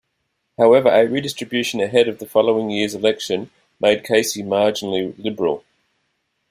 However, a redistribution ahead of the following year's election made Casey marginally Liberal.